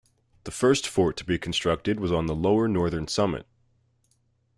The first fort to be constructed was on the lower northern summit.